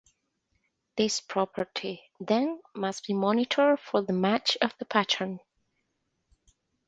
This property, then, must be monitored for the match of the pattern.